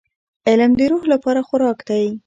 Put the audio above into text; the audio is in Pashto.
• علم د روح لپاره خوراک دی.